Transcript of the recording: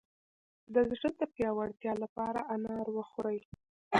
د زړه د پیاوړتیا لپاره انار وخورئ